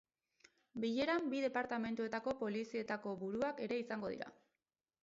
Bileran bi departamentuetako polizietako buruak ere izango dira.